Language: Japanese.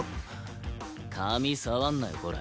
髪触んなよコラ。